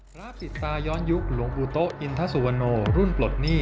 ราฟจิตตาย้อนยุคหลวงปูโต๊ะอินทสุวโนรุ่นปลดหนี้